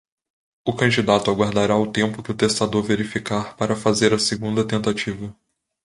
O candidato aguardará o tempo que o testador verificar para fazer a segunda tentativa.